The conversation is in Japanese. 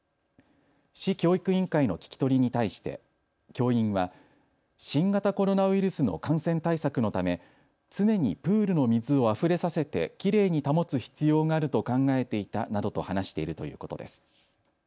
市教育委員会の聞き取りに対して教員は、新型コロナウイルスの感染対策のため常にプールの水をあふれさせてきれいに保つ必要があると考えていたなどと話しているということです。